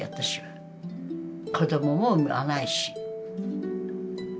子どもも産まないし。